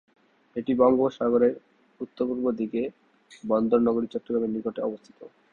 এটি বঙ্গোপসাগরের উত্তর-পূর্ব দিকে, বন্দর নগরী চট্টগ্রামের নিকটে অবস্থিত।